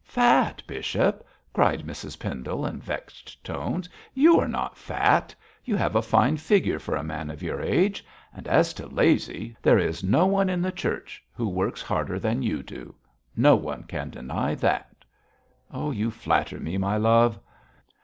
'Fat, bishop!' cried Mrs Pendle, in vexed tones. 'You are not fat; you have a fine figure for a man of your age. And as to lazy, there is no one in the Church who works harder than you do. No one can deny that.' 'You flatter me, my love!'